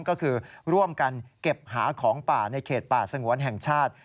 ก็คือร่วมกันเก็บหาของป่าในเขตป่าสงวนแห่งชาติ